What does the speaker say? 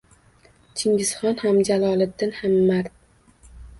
Chingizxon ham, Jaloliddin ham mard.